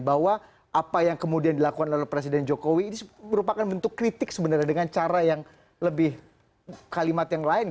bahwa apa yang kemudian dilakukan oleh presiden jokowi ini merupakan bentuk kritik sebenarnya dengan cara yang lebih kalimat yang lain